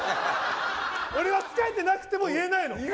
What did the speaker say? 俺は疲れてなくても言えないの！